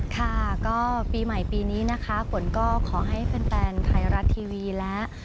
ค่ะก็ปีใหม่ปีนี้นะคะฝนก็ขอให้แฟนไทยรัฐทีวีและ